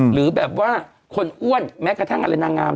หรือแบบว่าคนอ้วนแม้กระทั่งอะไรนางงาม